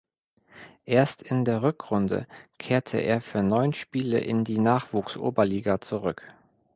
Erst in der Rückrunde kehrte er für neun Spiele in die Nachwuchsoberliga zurück.